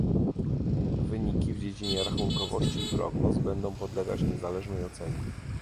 Wyniki w dziedzinie rachunkowości i prognoz będą podlegać niezależnej ocenie